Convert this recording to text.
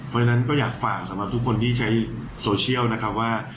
เพราะฉะนั้นก็อยากฝากสำหรับทุกคนที่ใช้โซเชียลนะครับว่า